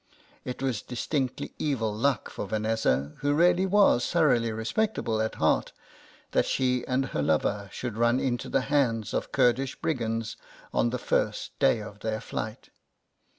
It was distinctly evil luck for Vanessa, who really was thoroughly respectable at heart, that she and her lover should run into the hands of Kurdish brigands on the first day of their flight.